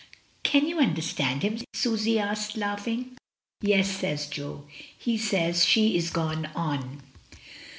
"Can you imderstand him?" Susy asked, laughing. "Yes," says Jo. "He says she is gone on."